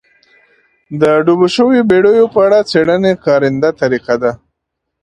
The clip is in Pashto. د ډوبو شویو بېړیو په اړه څېړنې کارنده طریقه ده.